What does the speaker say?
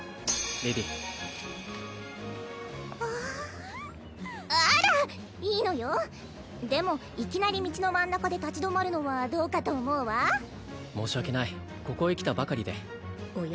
レディわあっあらいいのよでもいきなり道の真ん中で立ち止まるのはどうかと思うわ申し訳ないここへ来たばかりでおや？